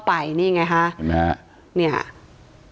เอะนะครับ